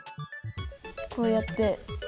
こうやって。